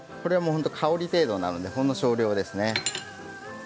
香り程度なのでほんの少量ですね。